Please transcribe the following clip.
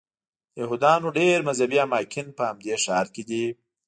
د یهودانو ډېر مذهبي اماکن په همدې ښار کې دي.